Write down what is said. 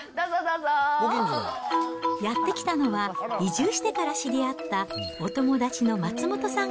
やって来たのは、移住してから知り合ったお友達の松元さん